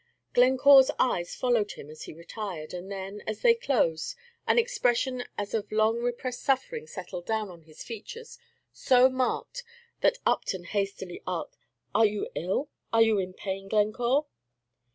Glencore's eyes followed him as he retired; and then, as they closed, an expression as of long repressed suffering settled down on his features so marked that Upton hastily asked, "Are you ill, are you in pain, Glencore?"